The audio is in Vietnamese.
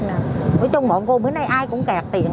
nói chung bọn cô bữa nay ai cũng kẹt